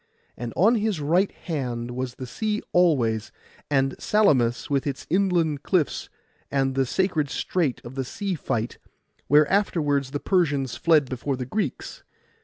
And on his right hand was the sea always, and Salamis, with its island cliffs, and the sacred strait of the sea fight, where afterwards the Persians fled before the Greeks.